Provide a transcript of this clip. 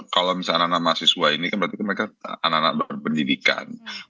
kalau misalnya anak anak mahasiswa ini kan berarti mereka anak anak berpendidikan